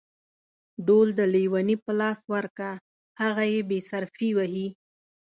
ډول د ليوني په لاس ورکه ، هغه يې بې صرفي وهي.